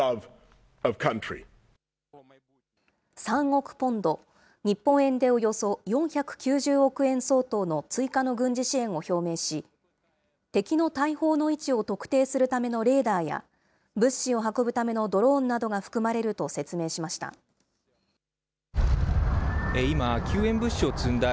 ３億ポンド、日本円でおよそ４９０億円相当の追加の軍事支援を表明し、敵の大砲の位置を特定するためのレーダーや、物資を運ぶためのドローン今、救援物資を積んだ